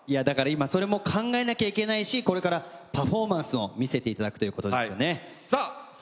それも考えなきゃいけないし、これからパフォーマンスを見せていただくということですよね。